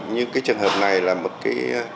như cái trường hợp này là một cái